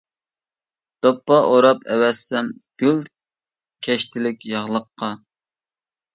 دوپپا ئوراپ ئەۋەتسەم، گۈل كەشتىلىك ياغلىققا.